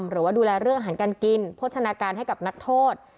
หรือว่าดูแลเรื่องอาหารการกินโภชนาการให้กับนักโทษ